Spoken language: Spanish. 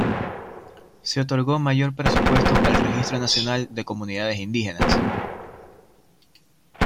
Se otorgó mayor presupuesto al Registro Nacional de Comunidades Indígenas.